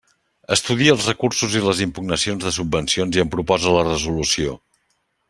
Estudia els recursos i les impugnacions de subvencions i en proposa la resolució.